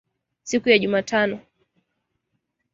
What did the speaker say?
siku ya Jumatano